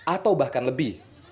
atau bahkan lebih